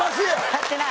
笑ってない！